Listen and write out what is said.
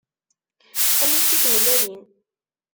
Ay učči n tmellalin.